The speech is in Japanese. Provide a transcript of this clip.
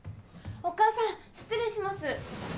お母さん失礼します。